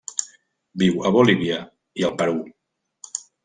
Viu a Bolívia i el Perú.